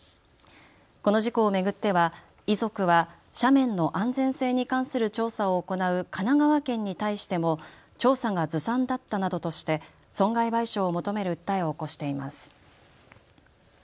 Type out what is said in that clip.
この事故を巡っては遺族は斜面の安全性に関する調査を行う神奈川県に対しても調査がずさんだったなどとして損害賠償を求める訴えを起こしています。